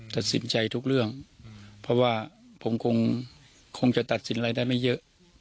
ตัดสินใจทุกเรื่องเพราะว่าผมคงจะตัดสินอะไรได้ไม่เยอะ